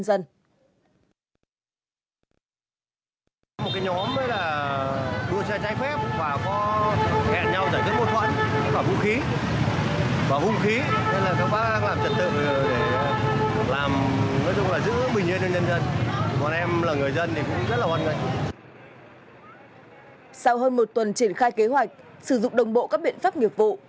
sau hơn một tuần triển khai kế hoạch sử dụng đồng bộ các biện pháp nghiệp vụ